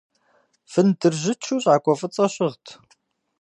Вындыржьычу щӏакӏуэ фӏыцӏэ щыгът.